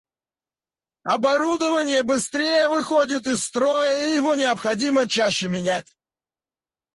Оборудование быстрее выходит из строя и его необходимо чаще менять